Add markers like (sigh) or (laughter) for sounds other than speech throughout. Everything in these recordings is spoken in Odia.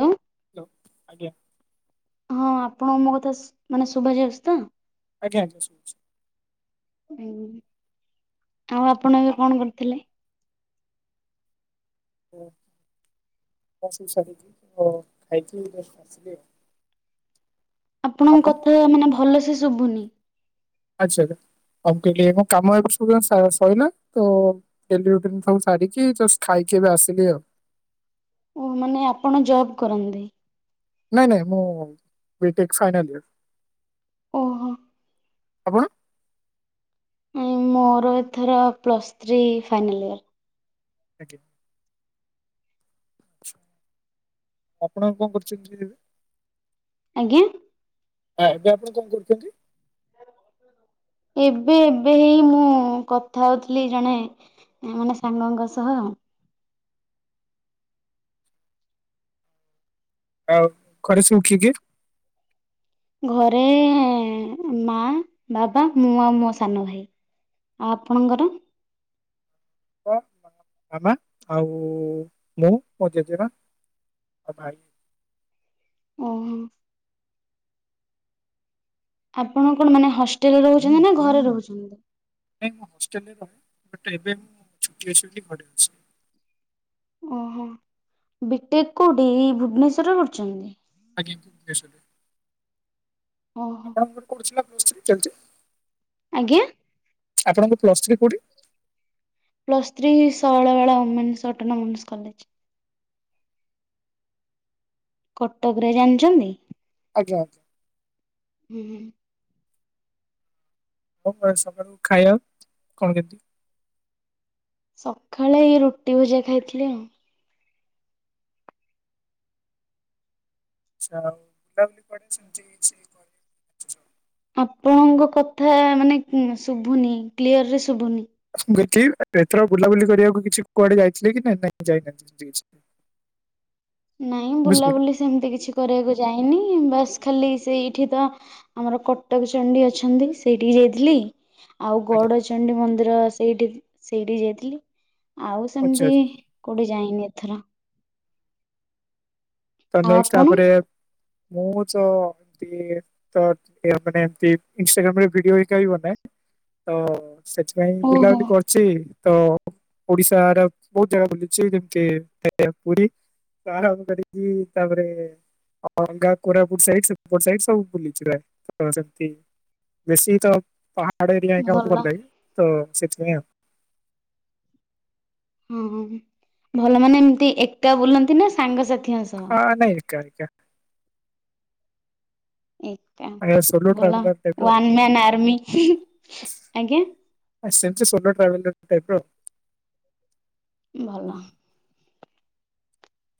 ହ (unintelligible) ଆଜ୍ଞା। ହଁ ଆପଣଙ୍କୁ ମୋ କଥା ମାନେ ଶୁଭାଯାଉଛି ତ? ଆଜ୍ଞା (unintelligible) ଆଉ ଆପଣ ଏବେ କଣ କରିୁଥିଲେ? (inaudible) ଆପଣଙ୍କ ଆପଣ କଥା ମାନେ ଭଲ ସେ ଶୁଭୁନି। ଆଛା। ଆଉ କହିଲି ମୋ କାମ ଏବେ ସବୁ ସଇଲା ଡେଲି ରୋଟିନ ସବୁ ସାରିକି ଜଷ୍ଟ ଖାଇକି ଏବେ ଆସିଲି ଆଉ। ଓ ମାନେ ଆପଣ ଜବ୍ କରନ୍ତି? ନାଇଁ ନାଇଁ ମୁଁ ବି ଟେକ ଫାଇନାଲ ଇଅର। ଓହୋ ଆପଣ? ମୋର ଏଥର ପ୍ଲସ୍ ଥ୍ରୀ ଫାଇନାଲ୍ ଇୟର। ଆଜ୍ଞା। ଆପଣ କଣ କରୁଛନ୍ତି କି ଏବେ? ଆଜ୍ଞା? ହଁ ଏବେ ଆପଣ କଣ କରୁଛନ୍ତି? ଏବେ ଏବେ ହେଇ ମୁଁ କଥା ହଉଥିଲି ଜଣେ ମାନେ ସାଙ୍ଗଙ୍କ ସହ ଆଉ ଘରେ ସବୁ କିଏ କିଏ? ଘରେ ମା ବାବା ମୁଁ ଆଉ ମୋ ସାନ ଭାଇ। ଆଉ ଆପଣଙ୍କର? (unintelligible) ମାମା ଆଉ ମୁଁ ମୋ ଜେଜେର ଆଉ ଭାଇ। ଓହୋ। ଆପଣ କଣ ମାନେ ହଷ୍ଟେଲରେ ରହୁଛନ୍ତି ନା ଘରେ ରହୁଛନ୍ତି? ନାଇଁ ମୁଁ ହଷ୍ଟେଲରେ ରହେ ବଟ ଏବେ ମୁଁ ଛୁଟି ଅଛି ବୋଲି ଘରେ ଅଛି। ଓହୋ ବିଟେକ କୋଉଠି ଏଇ ଭୁବନେଶ୍ଵରରେ କରୁଛନ୍ତି? ଆଜ୍ଞା ଭୁବନେଶ୍ୱର ରେ। ଓହୋ ଆପଣ (unintelligible) ଚାଲଛି? ଆଜ୍ଞା? ଆପଣଙ୍କ ପ୍ଲସ୍ ଥ୍ରୀ କୋଉଠି? Plus three Shailabala women's autonomous college. Cuttack ରେ ଜାଣିଛନ୍ତି? ଆଜ୍ଞା। ହୁଁ ହୁଁ। ହଉ ସକାଳୁ ଖାଇବା କଣ କେମିତି? ସକାଳେ ଏଇ ରୁଟି ଭଜା ଖାଇଥିଲି ଆଉ। ଆଚ୍ଛା ଆଉ (unintelligible) ଆପଣଙ୍କ କଥା ମାନେ ଶୁଭୁନି କ୍ଲିୟରରେ ଶୁଭୁନି। ମୁଁ (unintelligible) ଏଥର ବୁଲାବୁଲି କରିବାକୁ କିଛି କୁଆଡ଼େ ଯାଇଥିଲେ କି ନାଇଁ ନାହିଁ ଯାଇନାହାନ୍ତି (unintelligible) ନାଇଁ ବୁଝିପାରିଲେ ବୁଲାବୁଲି ସେମିତି କିଛି କରିବାକୁ ଯାଇନି ବାସ୍ ଖାଲି ସେଇଠି ତ ଆମର କଟକ ଚଣ୍ଡୀ ଅଛନ୍ତି ସେଇଠିକି ଯାଇଥିଲି। ଆଉ ଆଜ୍ଞା ଗଉଡ଼ଚଣ୍ଡୀ ମନ୍ଦିର ସେଇଠି ସେଇଠି ଯାଇଥିଲି ଆଉ ଆଚ୍ଛା ସେମିତି ଆଚ୍ଛା କୋଉଠି ଯାଇନି ଏଥର। ତ ଆଉ ନେଷ୍ଟ୍ ଆପଣ? ତାପରେ ମୁଁ ଚ (unintelligible) ତ ଟିକେ ମାନେ ଏମିତି ଇନଷ୍ଟାଗ୍ରାମରେ ଭିଡ଼ିଓ ହେଇକା ବି ବନାଏ ତ ସେ ପାଇଁ ଓହୋ ବୁଲାବୁଲି କର ଚି ତ ଓଡ଼ିଶା (unintelligible) ବହୁତ୍ ଜାଗା ବୁଲିଚି ଯେମିତି (unintelligible) ପୁରୀ। (unintelligible) ତାପରେ ଅଙ୍ଗା କୋରାପୁଟ୍ ସାଇଟ୍ ସେପଟ ସାଇଟ୍ ସବୁ ବୁଲିଚି ପ୍ରାଏ ତ ସେମିତି ବେଶୀ ତ ପାହାଡ଼ ଏରିଆ ହେଇକା ଭଲ ଲାଗେ ତ ସେଥିପାଇଁ ଆଉ। ହୁଁ ହୁଁ ଭଲ ମାନେ ଏମିତି ଏକା ବୁଲନ୍ତି ନା ସାଙ୍ଗସାଥିଙ୍କ ସହ? ହଁ ନାଇଁ ଏକା ଏକା। ଏକା ମାନେ ସୋଲୋ ଭଲ ଟ୍ରାଭେଲର ଟାଇପ ର ୱାନମ୍ୟାନ୍ ଆର୍ମି ଆଜ୍ଞା। (unintelligible) ସୋଲୋ ଟ୍ରାଭେଲର ଟାଇପ୍ ର। ଭଲ।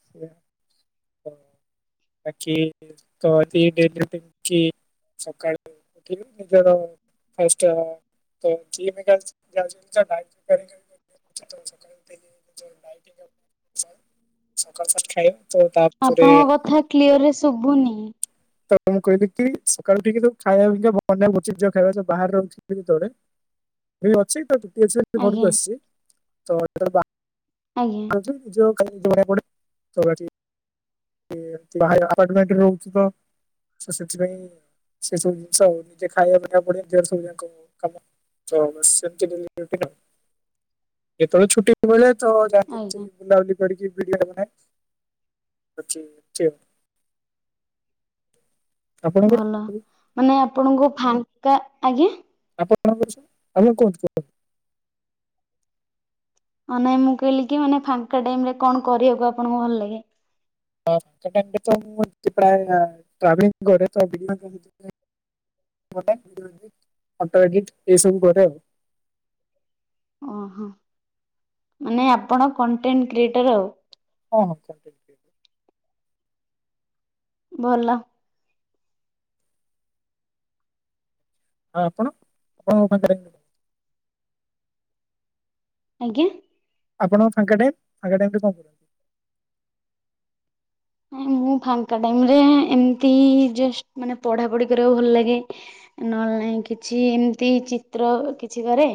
(unintelligible) ବାକି (unintelligible) କି ସକାଳୁ (unintelligible) ନିଜର ଫାଷ୍ଟ୍ (unintelligible) ସକାଳୁ (unintelligible) ଖାଇବ ତା ଆପଣଙ୍କ କଥା କ୍ଲିୟରରେ ଶୁଭୁନି। ତ ମୁଁ କହିଲି କି ସକାଳୁ ଉଠିକି ଯୋଉ ଖାଇବା (unintelligible) ଖାଇବା ବାହର (unintelligible) (unintelligible) ଅଛି (unintelligible) ଘରକୁ ଆଜ୍ଞା ଆସିଛି (unintelligible) ଆଜ୍ଞା। (unintelligible) ଏ ବାହାରେ ଆପାର୍ଟମେଣ୍ଟରେ ରହୁଚି ତ ସେ ସେଥିପାଇଁ ସେ ସବୁ ଜିନିଷ ନିଜେ ଖାଇବା ବନେଇବାକୁ ପଡ଼ିବ (unintelligible) କାମ। ତ ସେମିତି (unintelligible) ଯେତେବେଳେ ଛୁଟି ବୋଇଲେ ତ ଯାହା ଯେମିତି ଆଜ୍ଞା। ବୁଲାବୁଲି କରିକି ଭିଡ଼ିଓ ବନାଏ ଅଛି ଅଛି ଆଉ। ଆପଣଙ୍କର ଭଲ ମାନେ ଆପଣଙ୍କୁ ଫାଙ୍କା ଆଜ୍ଞା। ଆପଣଙ୍କ ସବୁ ଆପଣ କୁହନ୍ତୁ କୁହ ମାନେ ମୁଁ କହିଲି କି ମାନେ ଫାଙ୍କା ଟାଇମ୍ ରେ କଣ କରିବାକୁ ଆପଣଙ୍କୁ ଭଲ ଲାଗେ? ଫାଙ୍କା ଟାଇମ୍ ରେ ତ ମୁଁ ପ୍ରାୟେ ଟ୍ରାଭେଲିଙ୍ଗ୍ କରେ ତ (unintelligible) (unintelligible) ଏଇ ସବୁ କରେ ଆଉ। ଅ ହଁ ମାନେ ଆପଣ କଣ୍ଟେଣ୍ଟ କ୍ରିଏଟର ଆଉ। ହଁ ହଁ‌। ଭଲ। ଆ ଆପଣ (unintelligible) ଆଜ୍ଞା? ଆପଣ ଫାଙ୍କା ଟାଇମ୍ ଫାଙ୍କା ଟାଇମରେ କଁ କ ନାଇଁ ମୁଁ ଫାଙ୍କା ଟାଇମରେ ଏମିତି ଜଷ୍ଟ ମାନେ ପଢାପଢି କରିବାକୁ ଭଲ ଲାଗେ। ନହେଲେ ନାଇଁ କିଛି ଏମିତି ଚିତ୍ର କିଛି କରେ।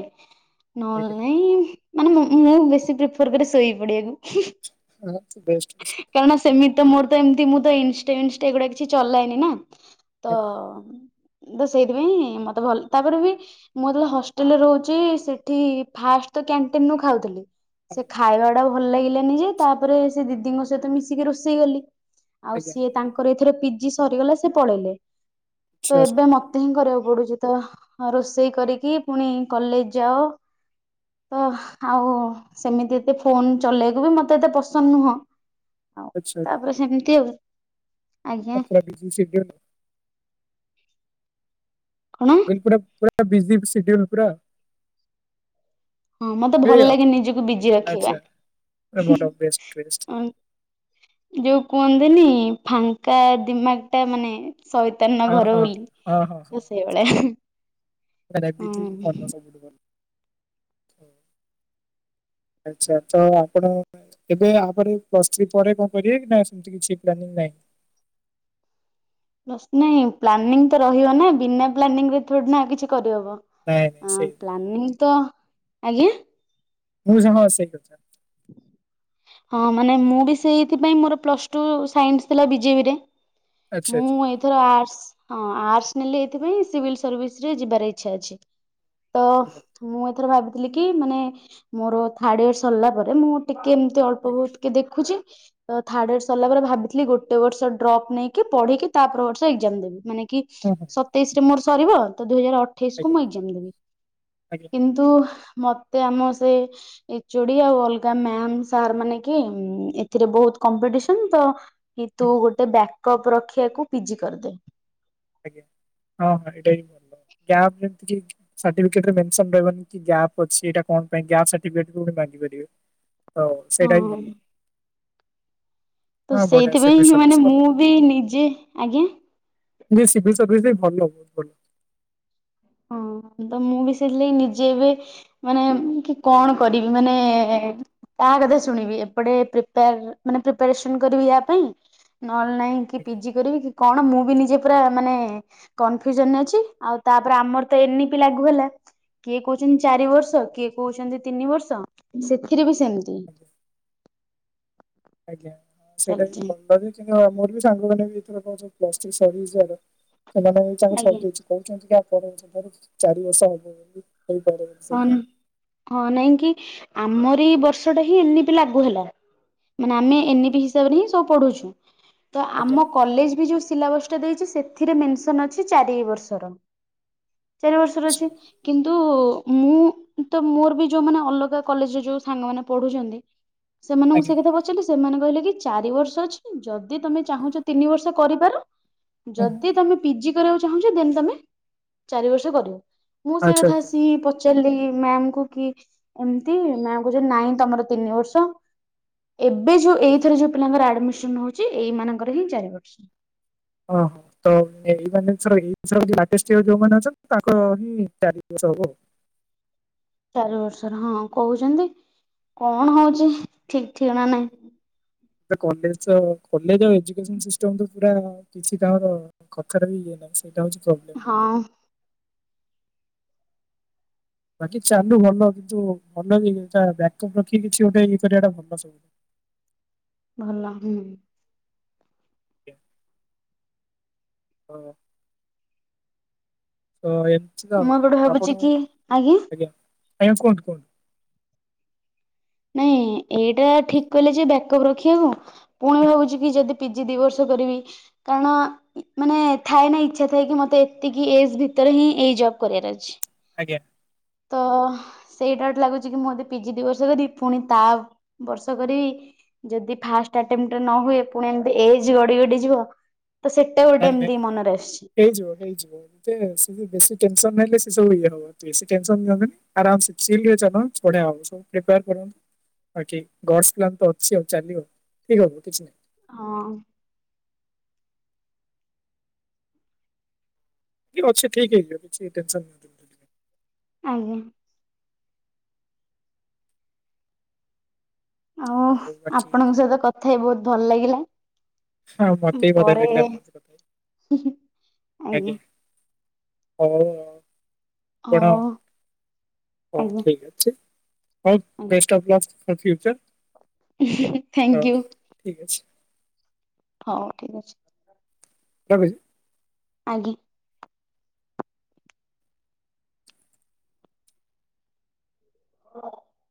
ନହେଲେ ଆଜ୍ଞା ନାଇଁ ମାନେ ମୁଁ ମୁଁ ବେଶୀ ପ୍ରିଫର କରେ ଶୋଇ ପଡିିବାକୁ। (unintelligible) କାରଣ ସେମିତ ମୋର ତ ଏମିତି ମୁଁ ତ ଇଂଷ୍ଟା ଇଂଷ୍ଟା ଏଗୁଡା କିଛି ଚଲାଏନି ନା। ତ ଆଜ୍ଞା ତ ସେଇଥିପାଇଁ ମତେ ଭଲ ତାପରେ ବି ମୁଁ ଯେତବେଳେ ହଷ୍ଟେଲରେ ରହୁଚି ସେଠି ଫାଷ୍ଟ ତ କ୍ୟାଣ୍ଟିନରୁ ଖାଉଥିଲି ସେ ଆଜ୍ଞା ଖାଇବାଟା ଭଲ ଲାଗିଲାନି ଯେ ତାପରେ ସେ ଦିଦିଙ୍କ ସହିତ ମିଶିକି ରୋଷେଇ କଲି। ଆଉ ଆଜ୍ଞା ସିଏ ତାଙ୍କର ଏଥିରେ ପିଜି ସରିଗଲା ସେ ପଳେଇଲେ ଆଚ୍ଛା ତ ଆଚ୍ଛା ଏବେ ମ ତେ ହିଁ କରିବାକୁ ପଡୁଚି ତ ରୋଷେଇ କରିକି ପୁଣି କଲେଜ ଯାଅ। ତ ଆଉ ସେମିତି ଏତେ ଫୋନ ଚଲେଇବାକୁ ବି ମତେ ଏତେ ପସନ୍ଦ ନୁହଁ। ଆଉ ଆଚ୍ଛା ଆଚ୍ଛା ତାପରେ ସେମିତି ଆଉ। ଆଜ୍ଞା (inaudible) କଣ? କହିଲି ପୁରା ପୁରା ବିଜିି ସିଡ୍ୟୁଲ ପୁରା। ହଁ ମତେ ଏଇ ଭଲ ଆଉ ଲାଗେ ନିଜକୁ ବିଜି ରଖିବା। ଆଚ୍ଛା ପୁରା ଭଲ ବେଷ୍ଟ ବେଷ୍ଟ ଯୋଉ କୁହନ୍ତିନି ଫାଙ୍କା ଦିମାଗ ଟା ମାନେ ସଇ ମାନର ହଁ ଘର ହଁ ବୋଲି ତ ସେଇଭଳିଆ। (inaudible) ବି ହୁଁ। ଭଲ ସବୁଠୁ ଭଲ। ଆଛା ତ ଆପଣ ଏବେ ଆ ପରେ ପ୍ଲସ୍ ଥ୍ରି ପରେ କଣ କରିବେ କି ନା ସେମିତି କିଛି ପ୍ଲାନିଂ ନାହିଁ? ପ୍ଲସ୍ ନାଇଁ ପ୍ଲାନିଂ ତ ରହିବ ନା ବିନା ପ୍ଲାନିଂରେ ଥୋଡ଼ିନା କିଛି କରିହବ? ନାଇଁ ନାଇଁ ଆଁ ସେଇ ପ୍ଲାନିଂ ତ ଆଜ୍ଞା? ମୁଁ ସାଙ୍ଗ ସେଇ କଥା। ହଁ ମାନେ ମୁଁ ବି ସେଇଥିପାଇଁ ମୋର ପ୍ଲସ୍ ଟୁ ସାଇନ୍ସ ଥିଲା ବିଜେପି ରେ। ଆଚ୍ଛା ଆଚ୍ଛା। ଧର ଆର୍ଟସ ହଁ ଆର୍ଟ୍ସସ ନେଲି ଏଇଥି ପାଇଁ ସିଭିଲ୍ ସର୍ଭିସ ରେ ଯିବାର ଇଚ୍ଛା ଅଛି। ତ ଆଜ୍ଞା ମୁଁ ଏଥର ଭାବିଥିଲି କି ମାନେ ମୋର ଥାର୍ଡ ଇୟର ସରିଲା ପରେ ମୁଁ ଟିକେ ଏମିତି ଅଳ୍ପ ଆଜ୍ଞା ବହୁତ ଟିକେ ଦେଖୁଚି। ତ ଥାର୍ଡ ଇୟର ସରିଲା ପରେ ଭାବିଥିଲି ଗୋଟେ ବର୍ଷ ଡ୍ରପ୍ ନେଇକି ପଢିକି ତାପ ବର୍ଷ ଏକ୍ଜାମ ଦେବି ମାନେ କି ହଁ ହଁ। ତେଇଶରେ ମୋର ସରିବ ତ ଦୁଇ ହଜାର ଅଠେଇଶ କୁ ଆଜ୍ଞା ମୁଁ ଏକ୍ଜାମ୍ ଦେବି ଆଜ୍ଞା କି ନ୍ତୁ ମତେ ଆମ ସେ ଏଚୋଡି ଆଉ ଅଲ ଗାଁ ମ୍ୟାମ୍ ସାର୍ ମାନେ କି ଏଥିରେ ବହୁତ କମ୍ପିଟିସନ ତ କି ତୁ ହୁଁ, ଗୋଟେ ବ୍ୟାକଅପ୍ ରଖିବାକୁ ପିଜି କରିଦେ। ଆଜ୍ଞା ହଁ ହଁ ଏଇଟା ହିଁ ଭଲ ଗ୍ୟାପ (inaudible) ସାର୍ଟିଫିକେଟ ରେ ମେନ୍ସନ୍ ରହିବନି କି ଗ୍ୟାପ ଅଛି ଏଇଟା କଣ ପାଇଁ ଗ୍ୟାପ ସାର୍ଟିଫିକେଟ ମାଗି ପାରିବେ। ହଉ ସେଇଟା ବି ହଁ ଭଲ। ତ ହଁ ବଢିଆ ସିଭିଲ୍ ସେଇଥିପାଇଁଁ ମାନେ ସର୍ଭିସ୍ ଭଲ ମୁଁ ବି ନିଜେ ଆଜ୍ଞା? ମୁଁ କହିଲି ସିଭିଲ୍ ସର୍ଭିସ ବି ଭଲ ବହୁତ ଭଲ। ହଁ ତ ମୁଁ ବି ସେଲେନି ନିଜେ ଏବେ ମାନେ କି କଣ କରିବି ମାନେ କାହା କଥା ଶୁଣିବି ଏପଟେ ପ୍ରିପାର୍ ମାନେ ପ୍ରିପାରେସନ୍ କରିବି ୟା ପାଇଁ ନହେଲେ ନାଇଁ କି ଆଜ୍ଞା ପିଜି କରିବି କି କଣ ମୁଁ ବି ନିଜେ ପୁରା ମାନେ କନଫ୍ୟୁଜନ୍ ରେ ଅଛି ଆଉ ତାପରେ ଆମର ତ ଏନିପି ଲାଗୁ ହେଲା। କିଏ କହୁଚନ୍ତି ଚାରି ବର୍ଷ କିଏ କହୁଚନ୍ତି ତିନି ବର୍ଷ ସେଥିରେ ବି ସେମ୍ତି। ଆଜ୍ଞା ଆଜ୍ଞା ସେଇଟା ଚାଲିଛି। ବି (unintelligible) (unintelligible) ମୋର ବି ସାଙ୍ଗମାନେ ବି ଏଥର (inaudible) କହୁଚନ୍ତି ଆଜ୍ଞା। କି ଆ ପରବର୍ଷ ଠାରୁ ଚାରି ବର୍ଷ ହବ ବୋଲି ହେଇପାରେ। ସେଇଟା ହଁ-ହଁ ନାଇଁ କି ଆମର ଏଇ ବର୍ଷ ଟା ହିଁ ଏନିପି ଲାଗୁ ହେଲା। ମାନେ ଆମେ ଏନିପି ହିସାବରେ ହିଁ ସବୁ ପଢୁଛୁ ତ ଆଜ୍ଞା ଆମ କଲେଜ୍ ବି ଯୋଉ ସିଲାବସ୍ ସେଥିରେ ମେନ୍ସନ୍ ଅଛି ଚାରି ବର୍ଷର ଚାରି ବର୍ଷର ଆଚ୍ଛା ଅଛି। କିନ୍ତୁ ମୁଁ ତ ମୋର ବି ଯୋଉମାନେ ଅଲଗା କଲେଜ୍ ରେ ଯୋଉ ସାଙ୍ଗମାନେ ପଢୁଚନ୍ତି ସେମାନଙ୍କୁ ଆଜ୍ଞା ସେ ହୁଁ କଥା ସେଠି ସେମାନେ କହିଲେ କି ଚାରି ବର୍ଷ ଅଛି ଯଦି ତମେ ଚାହୁଁଚ ତିନି ବର୍ଷ କରିପାର ଯଦି ତମେ ପିଜି କରିବାକୁ ଚାହୁଁଚ ଦେନ୍ ତମେ ଚାରି ବର୍ଷ କରିବ। ମୁଁ ସେଇ ଆଚ୍ଛା କଥା ଆଚ୍ଛା ଆସିକି ପଚାରିଲି ମ୍ୟାମ୍ କୁ କି ଏମତି ମ୍ୟାମ୍ କହୁଚନ୍ତି ନାଇଁ ତମର ତିନି ବର୍ଷ। ଏବେ ଯୋଉ ଏଇଥର ଯୋଉ ପିଲାଙ୍କର ଆଡମିସନ୍ ହଉଚି ଏଇ ମାନଙ୍କର ହିଁ ଚାରି ବର୍ଷ। ହଁ। ତ ଏଇ ମାନେ (inaudible) ଅଛନ୍ତି ତାଙ୍କର ହିଁ ଚାରି ବର୍ଷ ହବ। ଚାରି ବର୍ଷର ହଁ କହୁଚନ୍ତି କଣ ହଉଚି ଠିକ୍ ଠିକଣା ନାଇଁ। ତ କଲେଜ୍ ତ କଲେଜ୍ ର ଏଜୁକେସନ୍ ସିଷ୍ଟମ ତ ପୁରା କିଛି ତାଙ୍କର କଥାର ବି ଇଏ ନାହିଁ ସେଇଟା ହଉଚି ପ୍ରୋବ୍ଲେମ୍। ହଁ। ବାକି ଚାଲୁ ଭଲ କିନ୍ତୁ ଭଲ ବି ତା ବ୍ୟାକପ୍ ରଖିକି କିଛି ଗୋଟେ ଇଏ କରିବା ଟା ଭଲ ସବୁ। ଭଲ ହୁଁ। (inaudible) ହଁ। ତ ଏ ମୁଁ କଣ ଭାବୁଚି କି ଆଜ୍ଞା। ଆଜ୍ଞା କୁହନ୍ତୁ। ନାଇଁ ଏଇଟା ଠିକ୍ କହିଲେ ଯେ ବ୍ୟାକଅପ୍ ରଖିଆକୁ ପୁଣି ଭାବୁଚି କି ଯଦି ପିଜି ଦି ବର୍ଷ କରିବି କାରଣ ମାନେ ଥାଏ ନା ଇଚ୍ଛା ଥାଏ କି ମତେ ଏତିକି ଏଜ୍ ଭିତରେ ହିଁ ଏଇ ଜବ୍ କରିବାର ଅଛି। ଆଜ୍ଞା। ତ ସେଇ ଡ଼ାଉଟ୍ ଲାଗୁଚି କି ମୁଁ ଯଦି ପିଜି ଦି ବର୍ଷ କରିବି ପୁଣି ତା ବର୍ଷ କରିବି ଯଦି ଫାଷ୍ଟ ଆଟେମ୍ଟରେ ନ ହୁଏ ପୁଣି ଏମ୍ତି ଏଜ୍ ଗଡି-ଗଡି ଯିବ ତ ସେ ଟା ଗୋଟେ ଏମ୍ତି ମନରେ ଆସ୍ଛି। ହେଇଯିବ-ହେଇଯିବ ଏ ସେ ବେଶୀ ଟେନସନ୍ ହେଲେ ସେ ସବୁ ଇଏ ହୁଏ। ବେଶୀ ଟେନ୍ସନ୍ ନିଅନ୍ତୁନି ଆରାମ୍ ଚିଲ୍ ରେ ଚାଲ ବଢ଼ିଆ ହବ। ବାକି ଗଡସ୍ ପ୍ଲାନ୍ ତ ଅଛି ଆଉ ଚାଲିବ, ଠିକ୍ ହବ କିଛି ନାହିଁ। ହଁ। କି ଅଛି ଠିକ୍ ହେଇଯିବ, କିଛି ଟେନ୍ସନ୍ (unintelligible) ଆଜ୍ଞା। ଆଉ ଆପଣଙ୍କ ସହିତ କଥା ହେଇ ବହୁତ ଭଲ ଲାଗିଲା। ହଁ ମତେ ବି ବଢିଆ ପରେ ଲାଗିଲା ଆପଣଙ୍କ ସହ କଥା ଆଜ୍ଞା ହଉ ଆଉ ପଢ ହଉ ହଉ ଆଜ୍ଞା ଠିକ ଅଛି ହଉ ବେଷ୍ଟ ଅଫ ଲକ୍। ଆଉ ଫ୍ୟୁଚର? Thank you. ଠିକ୍ ଅଛି। ହଉ ଠିକ୍ ଅଛି। ରଖୁଛି। ଆଜ୍ଞା। (unintelligible)